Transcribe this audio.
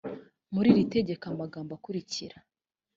muri iri tegeko amagambo akurikira